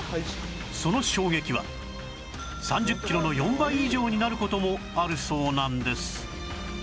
その衝撃は３０キロの４倍以上になる事もあるそうなんです